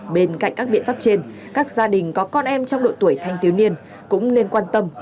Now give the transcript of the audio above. bên cạnh các biện pháp trên các gia đình có con em trong độ tuổi thanh thiếu niên cũng nên quan tâm